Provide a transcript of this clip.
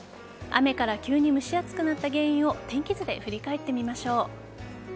雨から急に蒸し暑くなった原因を天気図で振り返ってみましょう。